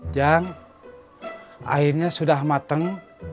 jang airnya sudah mateng